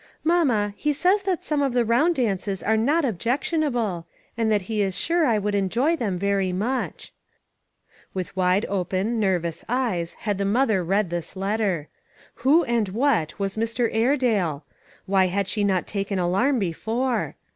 Mamma, he says that some of the round dances are not objection able, and that he is sure I would enjoy them very much." 394 ONE COMMONPLACE DAY. With wide open, nervous eyes had the mother read this letter. Who and what was Mr. Airedale ? Why had she not taken alarm before